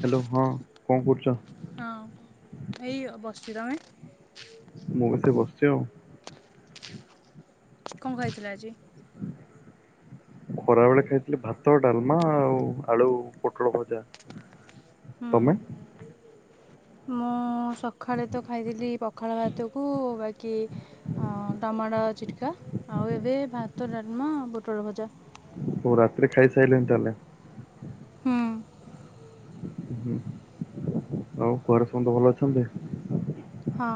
Hello ହଁ କଣ କରୁଛ ହଁ ଏଇ ବସିଛି ତମେ ମୁଁ ବିତ ବସିଛି ଆଉ କଣ ଖାଇଥିଲ ଆଜି? ଖରା ବେଳେ ଖାଇଥିଲି ଭାତ ଡାଲମା ଆଉ ଆଳୁ ପୋଟଳ ଭଜା ହୁଁ ତମେ ମୁଁ ସକାଳେ ତ ଖାଇଥିଲି ପଖାଳ ଭାତକୁ ବାକି ଟମାଟୋ ଚିଟକା ଆଉ ଏବେ ଭାତ ଡାଲମା ପୋଟଳ ଭଜା ଓ ରାତିରେ ଖାଇସାରିଳନି ତାହେଲେ ହୁଁ। ହୁଁ ଆଉ ଘର ସମତେ ଭଲ ଅଛନ୍ତି। ହଁ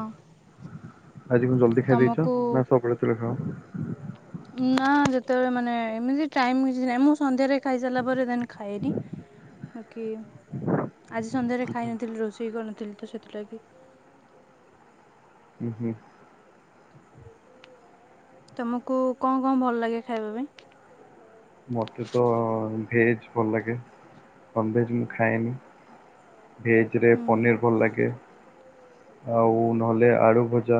ଆଜି ମୁ ଜଲ୍ଦି ଖାଇ ଦେଇଛ ତମକୁ ନା ସକାଳେ ତେଳେ ଖାଅ ନା ଯେତେବେଳେ ମାନେ ଏମିତି ଟାଇମ କିଛି ନାହିଁ ମୁଁ ସନ୍ଧ୍ୟାରେ ଖାଇସାରିଲା ପରେ ଦେନ୍ ଖାଏନି ବାକି ଆଜି ସନ୍ଧ୍ୟାରେ ଖାଇନଥିଲି ରୋଷେଇ କରିନଥିଲି ତ ସେଥିଲାଗି ହୁଁ ହୁଁ ତମକୁ କଣ କଣ ଭଲ ଲାଗେ ଖାଇବା ପାଇଁ ମତେ ତ ଭେଜ୍ ଭଲ ଲାଗେ ନନ୍ଭେଜ୍ ମୁଁ ଖାଏନି ଭେଜରେ ହୁଁ ହୁଁ ପନିର୍ ଭଲ ଲାଗେ ଆଉ ନହେଲେ ଆଳୁ ଭଜା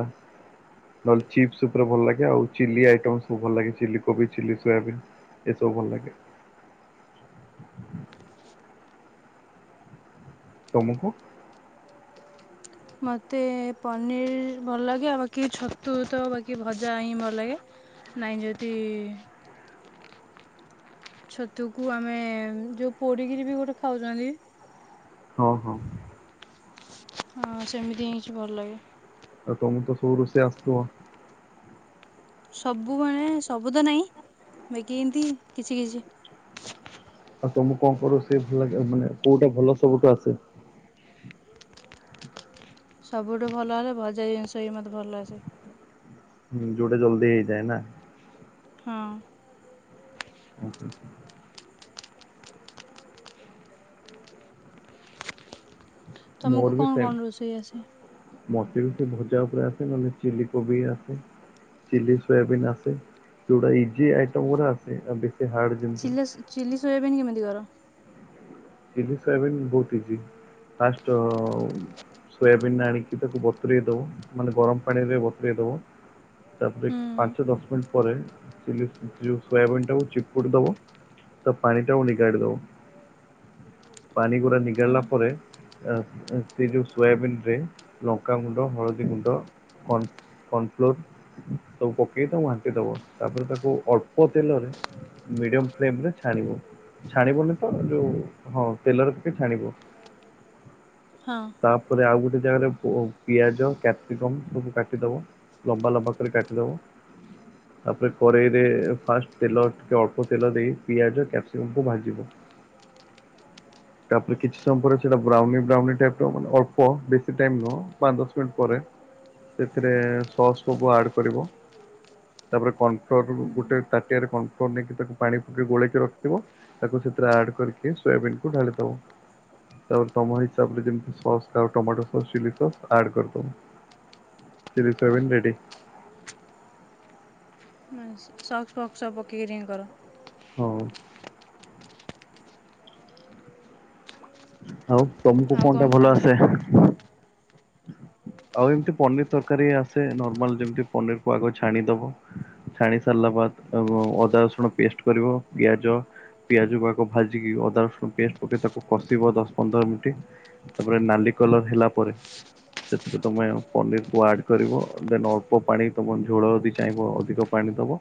ନହେଲେ ଚିପ୍ସ ଉପରେ ଭଲ ଲାଗେ ଆଉ ଚିଲି ଆଇଟମ ସବୁ ଭଲ ଲାଗେ ଚଲି କୋବି ଚିଲି ସୋୟାବିନ୍ ଏସବୁ ଭଲ ଲାଗେ ତମକୁ ମୋତେ ପନିର୍ ଭଲ ଲାଗେ ଆଉ ବାକି ଛତୁ ତ ବାକି ଭଜା ହିଁ ଭଲ ଲାଗେ ନାଇଁ ଯଦି ଛତୁକୁ ଆମେ ଯେଉ ପୋଡ଼ିକିରି ବି ଗୋଟେ ଖାଉଛନ୍ତି। ହଁ ହଁ ହଁ ସେମିତି ହେିଁ କିଛି ଭଲ ଲାଗେ ଆ ତମ ତ ସବୁ ରୋଷେଇ ଆସୁ ଥିବ ସବୁ ମାନେ ସବୁ ତ ନାହିଁ ବାକି ଏମତି କିଛି କିଛି ଆଉ ତମକୁ କଣ କଣ ରୋଷେଇ ଭଲ ଲାଗେ ମାନେ କୋଉଟା ଭଲ ସବୁଠୁ ଆସେ। ସବୁଠୁ ଭଲ ହେଲେ ଭଜା ଜିନିଷ ହିଁ ମୋତେ ଭଲ ଆସେ। ଯୋଟା ଜଲଦି ହେଇଯାଏ ନା ହଁ ମୋର ତୁମକୁ ବି କଣ ସେମ୍ କଣ ରୋଷେଇ ଆସ? ମତେ ବି ସେ ଭଜା ଉପରେ ଆସେ ନହେଲେ ଚିଲି କୋବି ଆସେ ଚିଲି ସୋୟାବିନ୍ ଆସେ ଯୋଉଟା ଇଜି ଆଇଟ ଗୁଡା ଆସେ। ହାର୍ଡ ଯେମିତି ଚିଲ ଚିଲି ସୋୟାବିନ୍ କେମିତି କର? ଚିଲି ସୋୟାବିିନ ବହୁତ ଇଜି ଫାଷ୍ଟ ସୋୟାବିିନ ଆଣିକି ତାକୁ ବତୁରଇ ଦବ ମାନେ ଗରମ ପାଣିରେ ବତୁରଇ ଦବ ତାପରେ ହୁଁ ପାଞ୍ଚ ଦଶ ମିନିଟ ପରେ ଚ ସୋୟାବିିନ ଟାକୁ ଚିପକୁଟି ଦବ ତା ପାଣି ଟାକୁ ନିଗାଡି ଦବ ପାଣି ଗୁଡା ହଁ ନିଗାଡିଲା ପରେ ସେ ଯୋଉ ସୋୟାବିନରେ ଲଙ୍କା ଗୁଣ୍ଡ ହଳଦୀ ଗୁଣ୍ଡ କନ କନଫ୍ଲୋର ର ସବୁ ପକେଇ ତାକୁ ଘାଣ୍ଟି ଦବ ତାପରେ ତାକୁ ଅଳ୍ପ ତେଲରେ ମିଡିୟମ ଫେମ୍ ରେ ଛାଣିବ ଛାଣିବନି ତ ଯୋଉ ହଁ ତେଲର ଟିକେ ଛାଣିଦବ ହଁ ତାପରେ ଆଉ ଗୋେ ଜାଗ ପିଆଜ କ୍ୟାପସିକମ ସବୁ କାଟିଦବ ଲମ୍ବା ଲମ୍ବା କରି କାଟିଦବ ତାପରେ କରେେଇରେ ଫାଷ୍ଟ ତେଲ ଟିକେ ଅଳ୍ପ ତେଲ ଦେଇ ପିଆଜ କ୍ୟାପସିକମ କ ଭାଜିବ ତାପରେ କିଛି ସମୟ ପରେ ସେଟା ବ୍ରାଉନ ବ୍ରାଉନ ଅଳ୍ପ ବେଶ ଟାଇ ନୁହଁ ପାଞ୍ଚ ଦଶ ମିନିଟ ପରେ ସେଥିରେ ସସ୍ ସବୁ ଆଡ କରିବ ତାପରେ କନଫଲୋର ଗୋଟେ ତାଟିଆରେ କଫ୍ଲୋର ନେଇକି ତାକୁ ପାଣି ପକି ଗୋଳେଇକି ରଖିଥିବ ତାକୁ ସେଥିରେ ଆଡ କରିକି ସୋୟାବିନ୍ କୁ ଢାଳିବ ତାପରେ ତମ ହିସାବରେମ ସସ ଆଉ tomato sauce chilli sauce add କରିଦବ ଚିଲି ସୋୟାବଡି ରେଡି। ସକ୍ସ ଫକ୍ସ ସବୁ ପକେଇକିରି କର। ହଉ। ହୋଉ। ତମକୁ କଣ ଟା ଭଲ ଆସେ? ଆଉ ଏମିତି ପନିର ତରକାରୀ ଆସେ ନର୍ମାଲ ଯେମତି ପନିରକୁ ଆଗ ଛାଣିଦବ ଛାଣି ସାରିଲା ବାଦ ଅଦା ରସୁଣ ପେଷ୍ଟ କରିବ ପିଆଜ ପିଆଜକୁ ଆଗ ଭାଜିକି ଅଦା ରସୁଣ ପେଷ୍ଟ ପକେଇ ତାକୁ କଷିବ ଦଶ ପନ୍ଦର ମିନିଟ ତାପରେ ନାଲି କଲର ହେଲା ପରେ। ସେଥିରେ ତମେ ପନିରକୁ ଆଡ କରିବ ଦେନ ଅଳ୍ପ ପାଣି ତମ ଝୋଳ ଯଦି ଚାହିଁବ ଅଧିକ ପାଣି ଦବ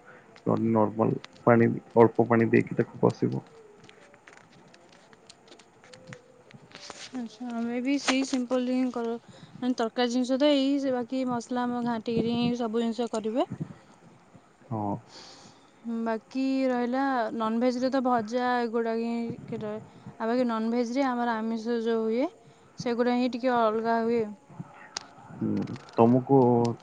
ନହେ ନର୍ମାଲ ପାଣି ଅଳ୍ପ ପାଣି ଦେଇକି ତାକୁ କଷିବ। ଆଛା ଆମେ ବି ସେଇ ସିମ୍ପଲ ତରକାରୀ ଜିନିଷ ତ ଏଇ ବାକି ମସଲା ଆମ ଘାଣ୍ଟିକିରିି ସବୁ ଜିନିଷ କରିବେ। ହଁ। ବାକି ରହିଲା ନନଭେଜରେ ତ ଭଜା ଏଗୁଡ଼ାକ ହିଁ ଆଉ ବାକି ନନଭେଜରେ ଆମର ଆମିଷ ଯେଉଁ ହୁଏ ସେଗୁଡ଼ା ହିଁ ଟିକିଏ ଅଲଗା ହୁଏ। ହ ତମକୁ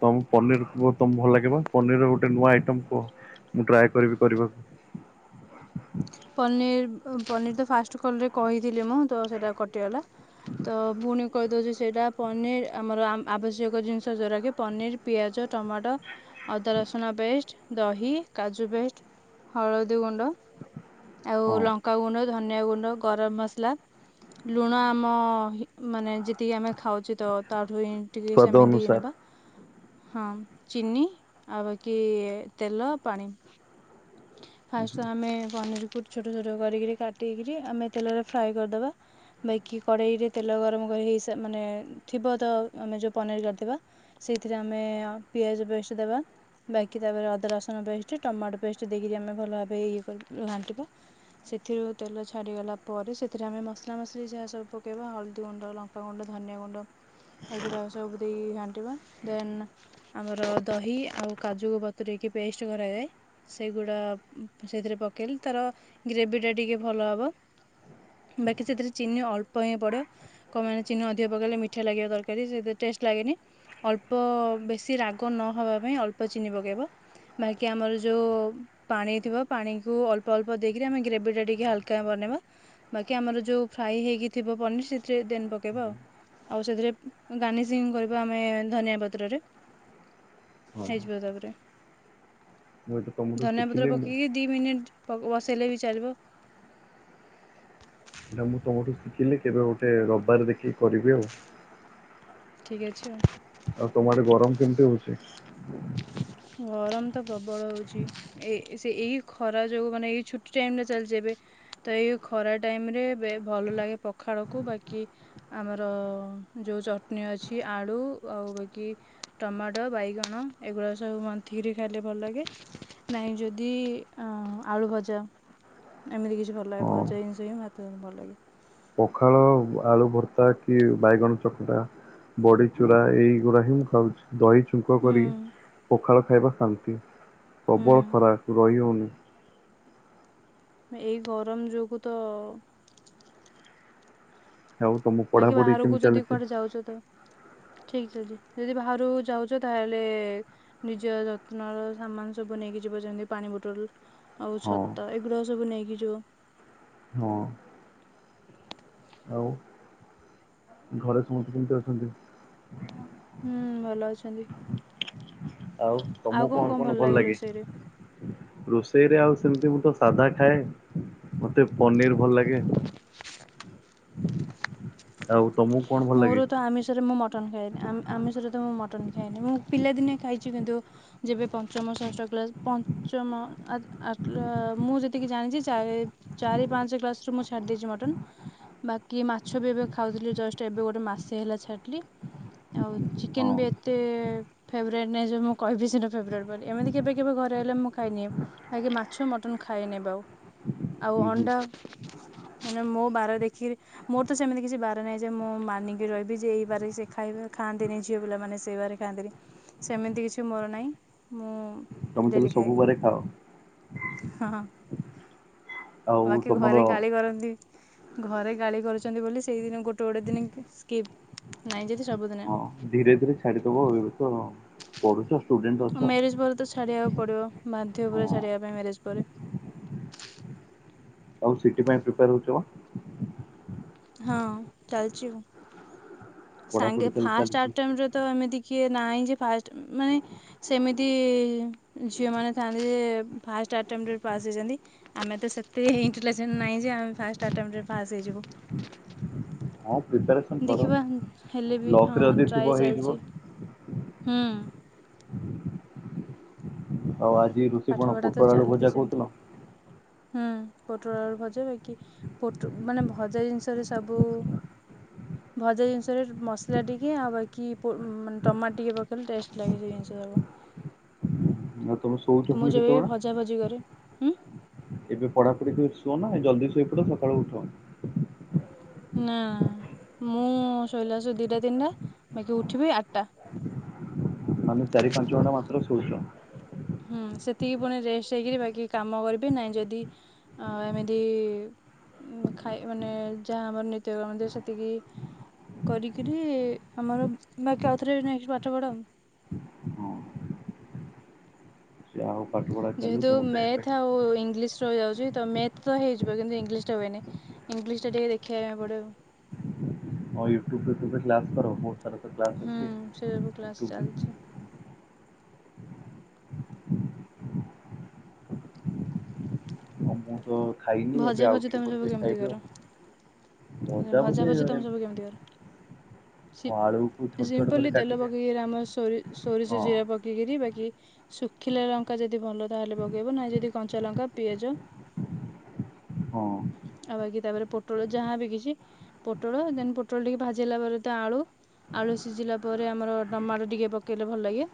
ତ ପନିରକୁ ତ ଭଲ ଲାଗିବ ପନିର ଗୋଟେ ନୂଆ ଆଇଟମ କୁହ ମୁଁ ଟ୍ରାଏ କରିବି କରିବାକୁ। ପନିର୍ ପନିର୍ ତ ଫାଷ୍ଟ କଲେ କହିଥିଲି ମୁଁ ତ ସେଇଟା କଟିଗଲା ତ ପୁଣି କହିଦଉଛି ସେଇଟା ପନିର ଆମର ଆବଶ୍ୟକ ଜିନିଷ ଯୋଉଟାକି ପନିର ପିଆଜ ଟମାଟୋ। ଅଦା ରସୁଣ ପେଷ୍ଟ। ଦହି କାଜୁ ପେଷ୍ଟ ହଳଦୀ ଗୁଣ୍ଡ ଆଉ ହଁ ଲଙ୍କା ଗୁଣ୍ଡ ଧନି ଗୁଣ୍ଡ ଗରମ ମସଲା ଲୁଣ ଆମ ମାନେ ଯେତିକି ଆମେ ଖାଉଚେ ତ ଟିକେ ସ୍ଵାଦ ସେମିତି ହେଇ ଅନୁସାର ନେବା ହଁ ଚିନି ଆଉ ବାକି ତେଲ ପାଣି। ଫାଷ୍ଟ ତ ଆମେ ପନିର ଛୋଟ ଛୋଟ କରିକିରି କାଟିକିରି ଆମେ ତେଲରେ ଫ୍ରାଏ କରିଦେବା ବାକି କଡ଼େଇରେ ତେଲ ଗରମ କରିଇ ମାନେ ଥିବ ତ ଆମେ ଯେଉ ପନିର କାଟିଦବା ସେଇଥିରେ ଆମେ ପିଆଜ ପେଷ୍ଟ ଦେବା ବାକି ତାପରେ ଅଦା ରସୁ ପେଷ୍ଟ ଟମାଟୋ ପେଷ୍ଟ ଦେଇକରି ଆମେ ଭଲ ଭାବେ ଇଏ ଘାଣ୍ଟିବା ସେଥିରୁ ତେଲ ଛାଡ଼ିଗଲା ପରେ ସେଥିରେ ଆମେ ମସଲା ମସଲି ଯାହା ସବୁ ପକେଇବା ହଳଦୀ ଗୁଣ୍ଡ ଲଙ୍କାଗୁଣ୍ଡ ଧନିଆ ଗୁଣ୍ଡ ଏଗୁଡ଼ାକ ସବୁ ଦେଇକି ଘାଣ୍ଟିବା ଦେନ୍ ଆମର ଦହି ଆଉ କାଜୁକୁ ବତୁରେଇକି ପେଷ୍ଟ କରାଯାଏ। ସେଗୁଡ଼ା ସେଥିରେ ପକେଇଲେ ତାର ଗ୍ରେଭିଟା ଟିକେ ଭଲ ହେବ ବାକି ସେଥିରେ ଚିନି ଅଳ୍ପ ହିଁ ପଡ଼ିବ କଣ ଚିନି ଅଧିକ ପକେଇଲେ ମିଠା ଲାଗିବା ତରକାରୀ ସେଥିରେ ଟେଷ୍ଟ ଲାଗେନି ଅଳ୍ପ ବେଶି ରାଗ ନ ହେବା ପାଇଁ ଅଳ୍ପ ଚିନି ପକାଇବ ବାକି ଆମର ଯେଉଁ ପାଣି ଥିବ ପାଣିକୁ ଅଳ୍ପ ଅଳ୍ପ ଦେଇକରି ଆମେ ଗ୍ରେଭିଟା ଟିକେ ହାଲକା ବନେଇବା ବାକି ଆମର ଯେଉଁ ଫ୍ରାଏ ହେଇକି ଥିବ ପନିର ସେଥିରେ ଦେନ୍ ପକାଇବା ଆଉ ସେଥିରେ ଗାର୍ନିସିଙ୍ଗ କରିବା ଆମେ ଧନିଆ ପତ୍ରରେ ହଁ ହେଇଯିବ ତାପରେ। ମୁଁ ଏଇଟା ତମଠୁ ଧନିଆ ପତ୍ର ଶିଖିଲି ମୁଁ ପକେଇକି ଦିଇ ମିନିଟ୍ ବସେଇଲେ ବି ଚାଲିବ। ଏଇଟା ମୁଁ ତମଠୁ ଶିଖିଲି କେବେ ଗୋଟେ ରବିବାର ଦେଖିକି କରିବି ଆଉ। ଠିକ ଅଛ ଆଉ। ଆଉ ତମ ଆଡେ ଗରମ କେମିତି ହଉଛି? ଗରମ ତ ପ୍ରବଳ ହେଉଛି ଏ ସେ ଏଇ ଖରା ଯୋଗୁଁ ମାନେ ଏଇ ଛୁଟି ଟାଇମରେ ଚାଲିଛି ଏବେ ତ ଏଇ ଖରା ଟାଇମରେ ଭଲ ଲାଗେ ପଖାଳକୁ ବାକି ଆମର ଯେଉଁ ଚଟଣି ଅଛି ଆଳୁ ଆଉ ବାକି ଟମାଟୋ ବାଇଗଣ ଏଗୁଡ଼ାକ ସବୁ। ସବୁ ମନ୍ତିକରି ଖାଇଲେ ଭଲ ଲାଗେ ନାହିଁ ଯଦି ଆଳୁ ଭଜା ଏମିତି କିଛି ଭଲ ଲାଗେ ହଁ ଭଜା ଜିନିଷ ହିଁ ଭାତ ଭଲ ଲାଗେ। ପଖାଳ ଆଳୁ ଭର୍ତ୍ତା କି ବାଇଗଣ ଚକଟା ବଡି ଚୁରା ଏଇଗୁଡା ହିଁ ମୁଁ ଖାଉଛି। ଦହି ଛୁଙ୍କ ହୁଁ କରି ପଖାଳ ଖାଇବା ଶାନ୍ତି। ହୁଁ ପ୍ରବଳ ଖରାପ ରହି ହଉନି। ଏଇ ଗରମ ଯୋଗୁ ତ। ଆଉ ତମ ବାକି ପଢାପଢି ବାହାରକୁ ଯଦି କୁଆଡ଼େ ଯାଉଛ ତ ଠିକ୍ ଚାଲିଛି ଯଦି ବାହାରକୁ ଯାଉଛ ତାହେଲେ ନିଜ ଯତ୍ନର ସାମାନ ସବୁ ନେଇକି ଯିବ ଯେମିତି ପାଣି ବୋଟଲ ଆଉ ହଁ ଛତା ଏଗୁଡ଼ାକ ସବୁ ନେଇକି ଯିବ। ହଁ ଆଉ ଘରେ ସମସ୍ତେ କେମିତି ଅଛନ୍ତି? ହୁଁ ଭଲ ଅଛନ୍ତି। ଆଉ ତମକୁ କଣ କଣ ଭଲ ଲାଗେ ରୋଷେଇ? ସେରେ ଆଉ ସେମତି ମୁଁ ତ ସାଧା ଖାଏ ମତେ ପନିର ଭଲ ଲାଗେ। ଆଜ୍ଞା ହଉ। ତମକୁ କଣ ଭଲ ମୋର ଲାଗେ। ତ ଆମିଷରେ ମୁଁ ମଟନ୍ ଖାଏନି ଆ -ଆମିଷରେ ତ ମୁଁ ମଟନ୍ ଖାଏନି ମୁଁ ପିଲାଦିନେ ଖାଇଛି କିନ୍ତୁ ଯେବେ ପଞ୍ଚମ ଷଷ୍ଠ କ୍ଲାସ ପଞ୍ଚମ ଆ- ଆ-ଆଟଲା ମୁଁ ଯେତିକି ଜାଣିଛି ଚାରି ପାଞ୍ଚ କ୍ଲାସରୁୁ ମୁଁ ଛାଡ଼ି ଦେଇେଇଛି ମଟନ୍ ବାକି ମାଛ ବି ଏବେ ଖାଉଥିଲି ଜଷ୍ଟ ଏବେ ଗୋଟେ ମାସ ହେଲା ଛାଡିଲି ଆଉ ଚିକେନ ବି ଏତେ ଫେବରେଟ୍ ନାହିଁ ଯେ ମୁଁ କହିବି ସିନା ଫେବରେଟ୍ ବୋଲି ଏମିତି କେବେ କେବେ ଘରେ ଆଲେ ମୁଁ ଖାଇନିଏ କାହିଁକି ମାଛ ମଟନ୍ ଖାଏନି ଏଵେ ଆଉ ଆଉ ହଁ ଅଣ୍ଡା ମାନେ ମୋ ବାର ଦେଖି ମୋର ତ ସେମତି କିଛି ବାର ନାଇ ଯେ ମୁଁ ମାନିକି ରହିବି ଯେ ଏଇ ବାର ସେ ଖାଇ ଖାଆନ୍ତିନି ଝିଅ ପିଲାମାନେ ସେ ବାର ଖାଆନ୍ତିନି ସେମିତି କିଛି ମୋର ନାହିଁ ମୁଁ ହଲେ ସବୁବେଳେ ଖାଏ ହଁ ଆଉ ବାକି ତମର ଘରେ ଗାଳି କରନ୍ତି। ଘରେ ଗାଳି କରୁଛନ୍ତି ବୋଲି ସେଇଦିନ ଗୋ ଟେ ଗୋଟେ ଦିନ ସ୍କିପ୍। ନାଇଁ ଯଦି ସବୁଦିନେ। ହଁ ଧୀରେ ଧୀରେ ଛାଡିଦବ। ଏବେ ତ ପଢୁଛ। ଷ୍ଟୁଡେଣ୍ଟ ଅଛ ଓ ମ୍ୟାରେଜ ପରେ ତ ଛାଡ଼ିଵା ପଡିବ ବାଧ୍ୟ ପୁରା ହଁ। ଛାଡିଵା ପାଇଁ ମ୍ୟାରେଜ ପରେ। ଆଉ ସି ଟି ପାଇଁ ପ୍ରିପାର ହଉଛ ଅ ହଁ ଚାଲିଛି ପଢାପଢି ସାଙ୍ଗେ ତାହେଲେ ଫାଷ୍ଟ୍ ଚାଲିଛି ଆଟେମ୍ପଟରେ ତ ଏମିତି କିଏ ନାହିଁ ଯେ ଫାଷ୍ଟ ଅ ମାନେ ସେମିତି ଇ-ଇ-ଇ ଝିଅମାନେ ଥାଆନ୍ତି ଯେ ଏ-ଏ ଫାଷ୍ଟ ଆଟେମ୍ଟରେ ପାସ୍ ହେଇଯାନ୍ତି। ଆମେ ତ ସେତେ ଇଣ୍ଟେଲିଜେନ୍ ନାହିଁ ଯେ ଆମେ ଫାଷ୍ଟ ଆଟେମ୍ଟରେ ପାସ୍ ହେଇଯିବୁ। ହଁ ପ୍ରିପାରେସନ କର। ଦେଖିବା ହେଲେ ବି ହଁ ଲକରେ ଯଦି ଥିବ ଟ୍ରାଏ ହେଇଯିବ ଚାଲିଛି। ହୁଁ। ଆଉ ଆଜି ରୋଷଇ କଣ ପାଠପଢ଼ା ତ ପୋଟଳ ଆଳୁ ଚାଲିଛି ଭଜା ସେମିତି କହୁଥିଲ। ହୁଁ ପୋଟଳ ଆଳୁ ଭଜା ବାକି ପୋଟ୍ ମାନେ ଭଜା ଜିନିଷରେ ସବୁ ଉ ଭଜା ଜିନିଷରେ ମସଲା ଟିକେ ଆଉ ବାକି ପୋ ଓ-ଓ ମାନେ ଟମାଟୋ ଟିକେ ପକେଇଲେ ଟେଷ୍ଟ ଲାଗେ ସେ ଜିନିଷ ଯାକ। ଆଉ ତମେ ଶୋଉଛ ମୁଁ ପୁଣି ଯେବେବି କେତେବେଳେ ଭଜା ଭଜି କରେ ହୁଁ ଏବେ ପଢାପଢି କରି ଶୁଅନା ଜଲଦି ଶୋଇପଡ ସକାଳୁ ଉଠ। ନା ମୁଁ ଶୋଇଲା ଆସୁ ଦୁଇଟା ତିନିଟା ବାକି ଉଠିବି ଆଠଟା। ମାନେ ଚାରି ପାଞ୍ଚ ଘଣ୍ଟା ମାତ୍ର ଶଉଛ। ହୁଁ ସେତିକି ପୁଣି ରେଷ୍ଟ ହେଇକରି ବାକି କାମ କରିବେ ନାହିଁ ଯଦି ଏମିତି ଖାଇ ମାନେ ଯାହା ଆମର ନିତ୍ୟକରଣ ଦ ସେତିକି କରିକିରି ଆମର ବାକି ଆଉଥରେ ନେକ୍ସଟ ପାଠ ପଢ଼ା। ହଁ। ସେ ଆଉ ପାଠ ପଢା ଚାଲୁ ଯେହେତୁ ତମର ତ ଏବେ ମେଥ୍ ଆଉ ଇଂଲିଶ ରହିଯାଉଛି ତ ମ୍ୟାଥ ତ ହେଇଯିବ। କିନ୍ତୁ ଇଂଲିଶ ଟା ହୁଏନି। ଇଂଲିଶ ଟା ଟିକେ ଦେଖିବା ପାଇଁ ପଡିବ। ହଁ ୟୁଟ୍ୟୁବ ଫ୍ୟୁଟୁବ ରେ କ୍ଲାସ କର ବହୁତ ସାରା କ୍ଲାସ ହୁଁ ଅଛି ସେ ସବୁ କ୍ଲାସ୍ ୟୁଟୁଵ୍ ଚାଲିଛି ରେ। ଆଉ ମୁଁ ତ ଖାଇନି ଏବେ ଭଜା ଆଉ ଟିକେ ପରେ ଯାଇ ଖାଇବି ଆଉ। ଆ ଭଜା ଭଜି ତମେ ସବୁ କେମିତି କର? ସି ଆଳୁକୁ ଛୋଟ ଛୋଟ କରି ସିମ୍ପଲି ତେଲ କାଟିବେ ପକେଇକିରି ଆମ ସୋରି ସୋରିଷ ହଁ ଜିରା ପକେଇକିରି ବାକି ରି ଶୁଖିଲା ଲଙ୍କା ଯଦି ଭଲ ତାହେଲେ ପକେଇବ ନାହିଁ ଯଦି କଞ୍ଚା ଲଙ୍କା, ପିଆଜ। ହଁ ଆଉ ବାକି ତାପରେ ପୋଟଳ ଯାହା ବି କିଛି କି ପୋଟଳ ଦେନ୍ ପୋଟଳ ଟିକେ ଭାଜି ହେଲାପରେ ଆଳୁ। ଆଳୁ ସିଝିଲା ପରେ ଆମର ଟମାଟୋ ଟିକେ ପକେଇଲେ ଭଲଲାଗେ।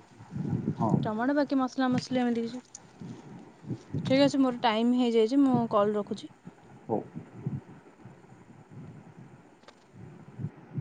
ହଁ ଟମାଟ ବାକି ମସଲା ମସଲି ଏମିତି କିଛି। ଠିକ୍ ଅଛି ମୋର ଟାଇମ ହେଇଯାଇଛି ମୁଁ କଲ ରଖୁଛି। ହଉ।